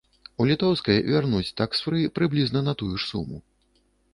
У літоўскай вярнуць таксфры прыблізна на тую ж суму.